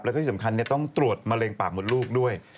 แล้วก็ที่สำคัญต้องตรวจมะเร็งปากมดลูกด้วย